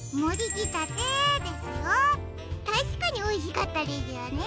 たしかにおいしかったですよね。